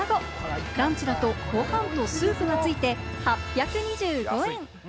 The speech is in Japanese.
ランチだと、ご飯とスープがついて８２５円。